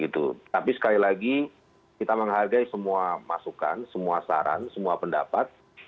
tapi sekali lagi kita menghargai semua masukan semua saran semua pendapat